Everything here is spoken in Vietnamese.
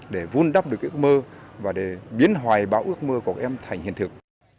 để vun đắp được ước mơ và để biến hoài báo ước mơ của các em thành hiện thực